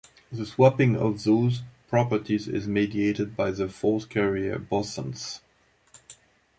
The swapping of those properties is mediated by the force carrier bosons.